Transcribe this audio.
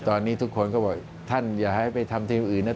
ตอนนี้ทุกคนก็บอกท่านอย่าให้ไปทำทีมอื่นนะ